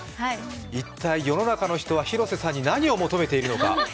一体、世の中の人は広瀬さんに何を求めているのか？